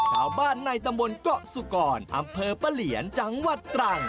ชาวบ้านในตำบลเกาะสุกรอำเภอปะเหลียนจังหวัดตรัง